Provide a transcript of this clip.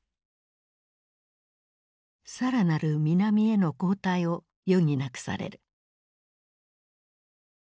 さらなる南への後退を余儀なくされる。